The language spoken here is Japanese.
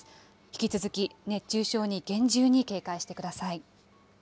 引き続き熱中症に厳重に警戒してください。